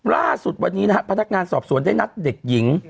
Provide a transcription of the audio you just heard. ล่าสุดวันนี้นะฮะพนักงานสอบสวนได้นัดเด็กหญิง